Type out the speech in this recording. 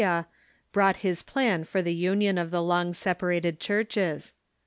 a, brought his plan for the union of the long separated churches.